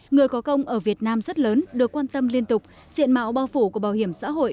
người có công ở việt nam rất lớn được quan tâm liên tục diện mạo bao phủ của bảo hiểm xã hội